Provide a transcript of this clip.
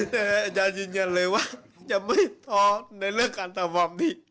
แน่จะยิ้มยันเลยว่าจะไม่ทอดในเรื่องการสัมภาพนี่